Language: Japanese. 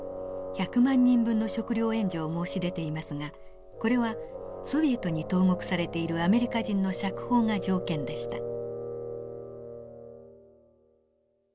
１００万人分の食糧援助を申し出ていますがこれはソビエトに投獄されているアメリカ人の釈放が条件でした。